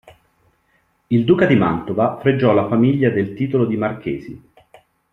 Il duca di Mantova fregiò la famiglia del titolo di marchesi.